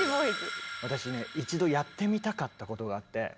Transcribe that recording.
私ね一度やってみたかったことがあって。